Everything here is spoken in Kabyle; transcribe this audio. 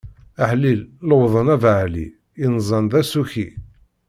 Aḥlil lewḍen abaɛli, yenzan d asuki!